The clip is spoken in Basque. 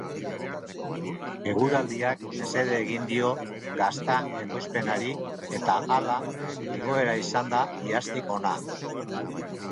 Eguraldiak mesede egin dio gazta ekoizpenari eta hala igoera izan da iaztik hona.